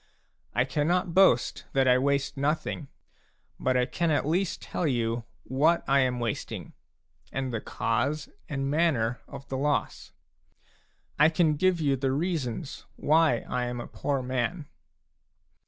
I cannot boast that I waste nothing, but I can at least tell you what I am wasting, and the cause and manner of the loss ; I can give you the reasons why I am a poor man.